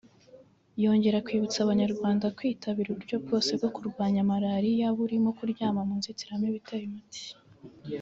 yongera kwibutsa Abanyarwanda kwitabira uburyo bwose bwo kurwanya Malaria burimo kuryama mu nziritamubu iteye umuti